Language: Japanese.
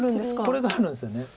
これがあるんですよね。